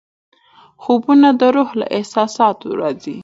خوبونه د روح له احساساتو راځي.